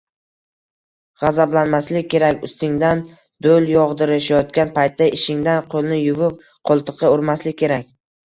Gʻazablanmaslik kerak, ustingdan doʻl yogʻdirishayotgan paytda ishingdan qoʻlni yuvib qoʻltiqqa urmaslik kerak